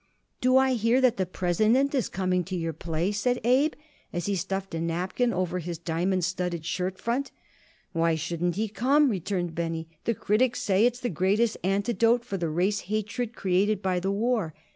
"Do I hear that the President is coming to your play?" said Abe as he stuffed a napkin over his diamond studded shirt front. "Why shouldn't he come?" returned Benny. "The critics say it's the greatest antidote for the race hatred created by the war.